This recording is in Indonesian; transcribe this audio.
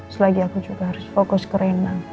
selagi aku juga harus fokus ke rena